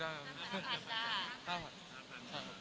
ใช่ครับมีครับผม